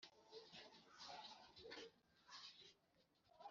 muhumuza: uwatanze amahoro, ihumure